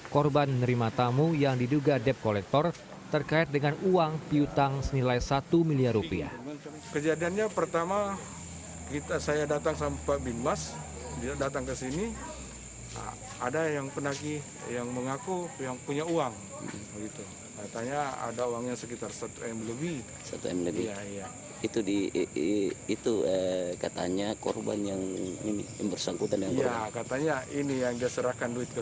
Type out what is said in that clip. korban menerima tamu yang diduga dep kolektor terkait dengan uang piutang senilai satu miliar rupiah